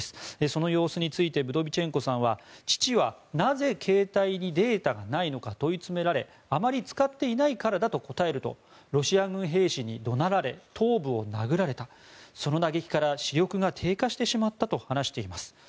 その様子についてブドビチェンコさんは父は、なぜ携帯にデータがないのか問い詰められあまり使っていないからだと答えるとロシア軍兵士に怒鳴られ頭部を殴られたその打撃から視力が低下してしまったと話しています。